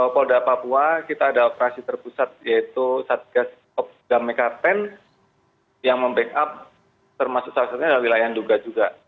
polda papua kita ada operasi terpusat yaitu satgas of dameka ten yang membackup termasuk salah satunya wilayah duga juga